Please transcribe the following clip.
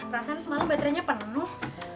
rasanya semalam baterainya penuh